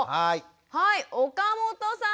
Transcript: はい岡本さん。